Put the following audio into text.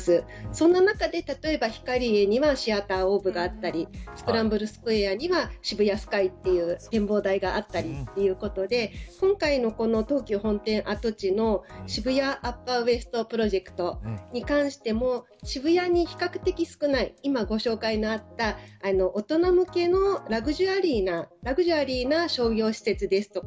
そんな中で例えばヒカリエにはシアターがったりスクランブルスクエアには渋谷ＳＫＹという展望台があってということで今回の東急本店跡地の渋谷アッパーウエストプロジェクトに関しても渋谷に比較的少ない今、ご紹介のあった大人向けのラグジュアリーな商業施設ですとか。